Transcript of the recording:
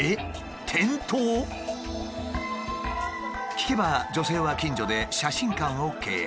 聞けば女性は近所で写真館を経営。